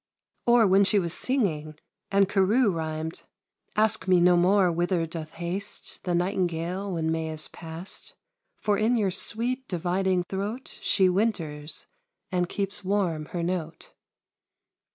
Or when she was singing, and Carew rhymed Ask me no more whither doth haste The nightingale when May is past; For in your sweet dividing throat She winters, and keeps warm her note.